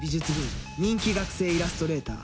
人気学生イラストレーター